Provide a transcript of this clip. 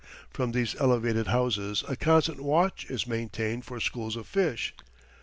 From these elevated houses a constant watch is maintained for schools of fish.